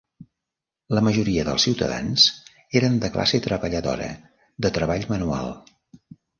La majoria dels ciutadans eren de classe treballadora de treball manual.